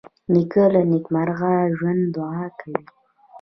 نیکه له نیکمرغه ژوند دعا کوي.